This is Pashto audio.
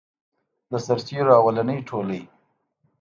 د سرتیرو اولنی ټولۍ.